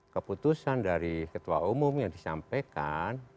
keputusan dari ketua umum yang disampaikan